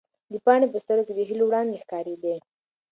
د پاڼې په سترګو کې د هیلو وړانګې ښکارېدې.